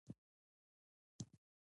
شفاف چلند د سم مدیریت نښه بلل کېږي.